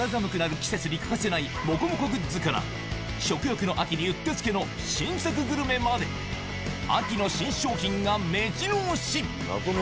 季節に欠かせない、もこもこグッズ、食欲の秋にうってつけの新作グルメまで、秋の新商品がめじろ押し。